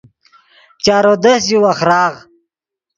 چارو دست ژے وخراغ